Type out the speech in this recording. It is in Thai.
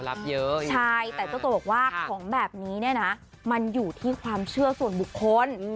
รับเยอะอีกใช่แต่เจ้าตัวบอกว่าของแบบนี้มันอยู่ที่ความเชื่อส่วนบุคคล